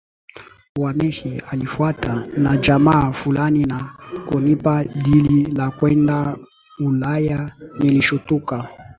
ya mechi alifuatwa na jamaa fulani na kunipa dili la kwenda UlayaNilishtuka sana